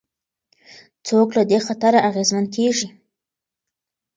څوک له دې خطره اغېزمن کېږي؟